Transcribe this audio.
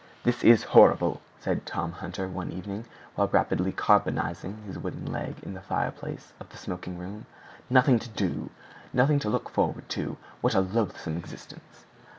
"This is horrible!" said Tom Hunter one evening, while rapidly carbonizing his wooden legs in the fireplace of the smoking room; "nothing to do! nothing to look forward to! what a loathsome existence!